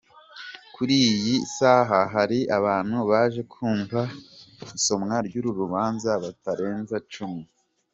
Kuri iyi saha hari bantu baje kumva isomwa ry’uru rubanza batarenze cumi.